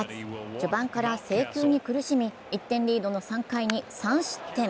序盤から制球に苦しみ１点リードの３回に３失点。